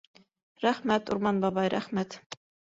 — Рәхмәт, Урман бабай, рәхмәт!